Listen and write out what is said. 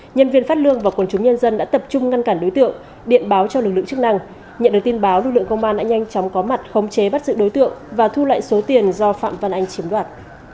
nhân viên phát lương và quần chúng nhân dân đã tập trung ngăn cản đối tượng điện báo cho lực lượng chức năng nhận được tin báo lực lượng công an đã nhanh chóng có mặt khống chế bắt giữ đối tượng và thu lại số tiền do phạm văn anh chiếm đoạt